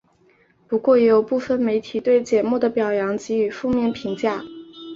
不过也有部分媒体对节目的表现予以负面评价。